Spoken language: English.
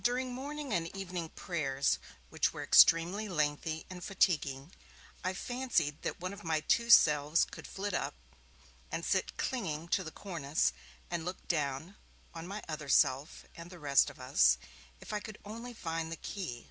During morning and evening prayers, which were extremely lengthy and fatiguing, I fancied that one of my two selves could flit up, and sit clinging to the cornice, and look down on my other self and the rest of us, if I could only find the key.